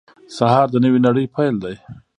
سهار د نوې نړۍ پیل دی.